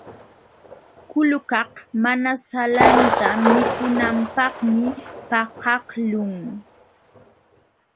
Kulukaq mana salanta mikunanpaqmi pakaqlun.